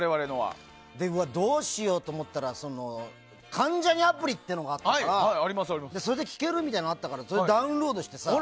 どうしようと思ったら関ジャニアプリというのがあってそれで聴けるのがあったからダウンロードしてさ